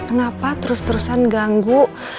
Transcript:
kenapa terus terusan ganggu